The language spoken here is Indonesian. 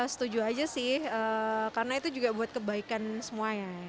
setuju saja sih karena itu juga buat kebaikan semuanya